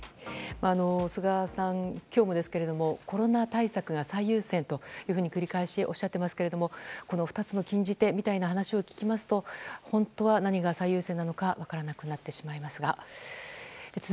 菅さん、今日もコロナ対策が最優先だと繰り返しおっしゃっていますけれども２つの禁じ手みたいな話を聞きますと本当は何が最優先なのか分からなくなってしまいますが。